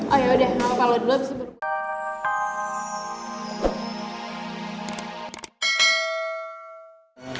oh yaudah kalo lo duluan bisa berbual